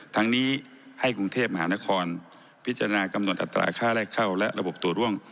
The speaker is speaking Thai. ทั้งนี้ให้กรุงเทพมหานครพิจารณากำหนดอัตราค่าแรกเข้าและระบบตัวร่วม